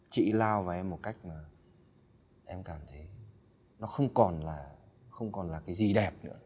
chị lao với em một cách là em cảm thấy nó không còn là không còn là cái gì đẹp nữa